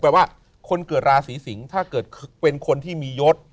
ว่าคนเกิดราศีสิงศ์ถ้าเกิดเป็นคนที่มียศ